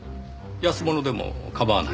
安物でも構わない？